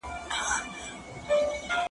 منظور مشر ,